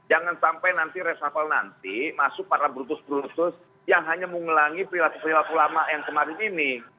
jangan sampai nanti reshuffle nanti masuk para brutus brutus yang hanya mengulangi perilaku perilaku lama yang kemarin ini